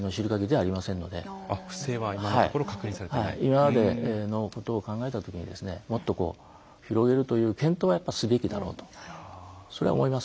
今までのことを考えた時にもっと広げるという検討はやっぱりすべきだろうとそれは思いますね。